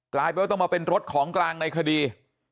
กลายเป็นว่าต้องมาเป็นรถของกลางในคดี